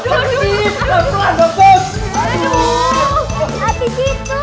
sakit pelan pelan pelan pelan